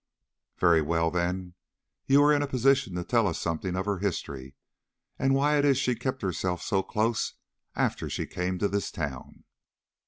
"Very well, then, you are in a position to tell us something of her history, and why it is she kept herself so close after she came to this town?"